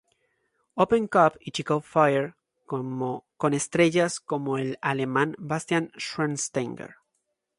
Open Cup y Chicago Fire, con estrellas como el alemán Bastian Schweinsteiger.